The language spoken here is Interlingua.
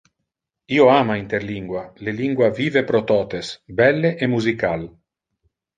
Io ama interlingua le lingua vive pro totes, belle e musical!